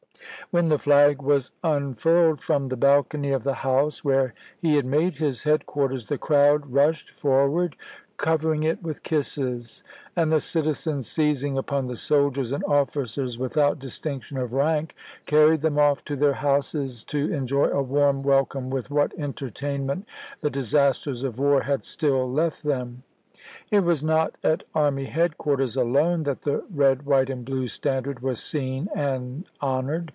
When the flag was unfurled from the balcony of the house 164 ABRAHAM LINCOLN CHAP. VI. where lie had made his headquarters, the crowd rushed forward, covering it with kisses; and the citizens, seizing upon the soldiers and officers with out distinction of rank, carried them off to their houses to enjoy a warm welcome with what enter tainment the disasters of war had still left them. It was not at army headquarters alone that the red white and blue standard was seen and honored.